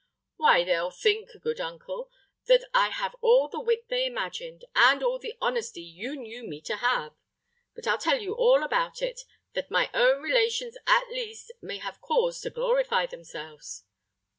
"Why they'll think, good uncle, that I have all the wit they imagined, and all the honesty you knew me to have. But I'll tell you all about it, that my own relations, at least, may have cause to glorify themselves."